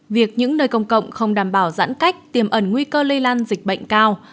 việc những nơi công cộng không đảm bảo giãn cách tiềm ẩn nguy cơ lây lan dịch bệnh cao